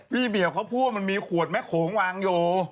พี่เบียบเขาพูดว่ามันมีขวดแม่โขงวางอยู่